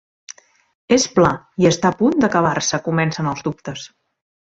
És pla i està a punt d'acabar-se comencen els dubtes.